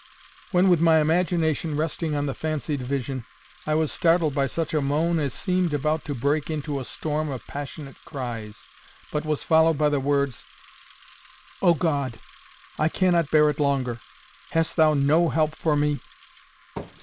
when, with my imagination resting on the fancied vision, I was startled by such a moan as seemed about to break into a storm of passionate cries, but was followed by the words: "O God! I cannot bear it longer. Hast thou NO help for me?"